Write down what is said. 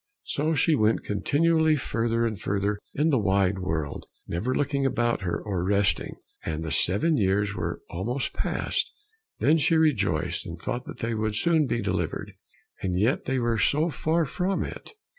So she went continually further and further in the wide world, never looking about her or resting, and the seven years were almost past; then she rejoiced and thought that they would soon be delivered, and yet they were so far from it!